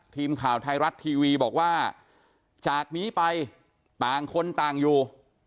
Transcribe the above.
ทีมข่าวไทยรัฐทีวีบอกว่าจากนี้ไปต่างคนต่างอยู่